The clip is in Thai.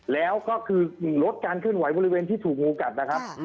แล้วก็คือลดการเคลื่อนไหวบริเวณที่ถูกงูกัดนะครับ